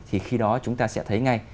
thì khi đó chúng ta sẽ thấy ngay